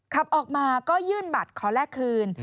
ขับออกมาก็ยื่นบัตรขอแลกคืน